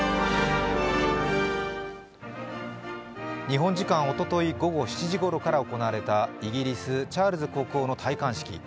日本時間おととい午後７時ごろから行われたイギリス・チャールズ国王の戴冠式。